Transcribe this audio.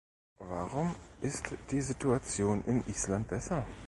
Warum ist die Situation in Island besser?